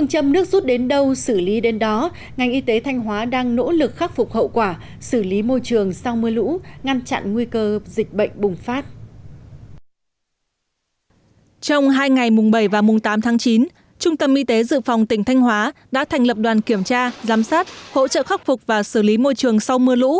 hôm hai ngày bảy và tám tháng chín trung tâm y tế dự phòng tỉnh thanh hóa đã thành lập đoàn kiểm tra giám sát hỗ trợ khắc phục và xử lý môi trường sau mưa lũ